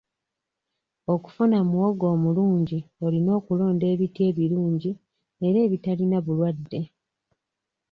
Okufuna muwogo omulungi olina okulonda ebiti ebirungi era ebitalina bulwadde.